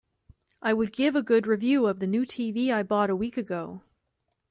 I would give a good review of the new TV I bought a week ago.